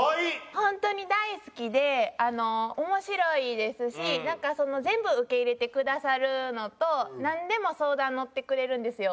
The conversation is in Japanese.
ホントに大好きで面白いですしなんか全部受け入れてくださるのとなんでも相談乗ってくれるんですよ。